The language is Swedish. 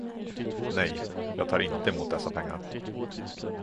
Nej, jag tar inte emot dessa pengar.